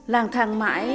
làng thang mãi